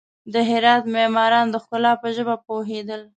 د هرات معماران د ښکلا په ژبه پوهېدل.